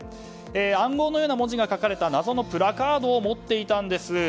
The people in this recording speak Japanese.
暗号のような文字が書かれた謎のプラカードを持っていたんです。